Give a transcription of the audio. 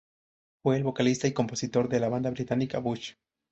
Fue el vocalista y compositor de la banda británica Bush.